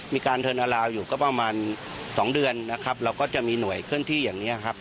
เทินอาราวอยู่ก็ประมาณสองเดือนนะครับเราก็จะมีหน่วยเคลื่อนที่อย่างนี้ครับ